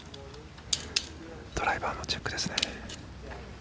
ドライバーのチェックですね。